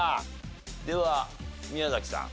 では宮崎さん。